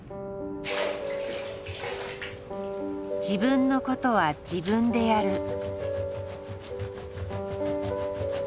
自分のことは自分でやる。